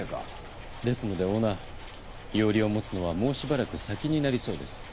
ですのでオーナー庵を持つのはもうしばらく先になりそうです。